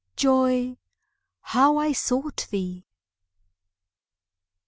Joy, how I sought thee!